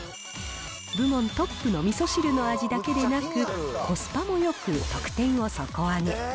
部門トップのみそ汁の味だけでなく、コスパもよく得点を底上げ。